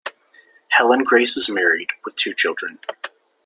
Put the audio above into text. Helen Grace is married, with two children.